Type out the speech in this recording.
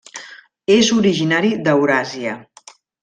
És originari d'Euràsia.